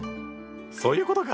そういうことか！